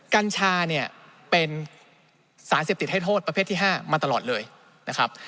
กัญชาเนี่ยเป็นสารเสพติดให้โทษประเภทที่๕มาตลอดเลยนะครับ